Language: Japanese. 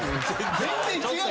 全然違う。